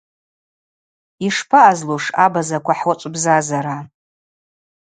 Йшпаъазлуш абазаква хӏуачӏвбзазара?